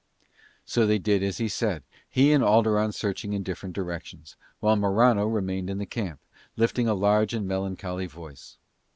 So they did as he said, he and Alderon searching in different directions, while Morano remained in the camp, lifting a large and melancholy voice.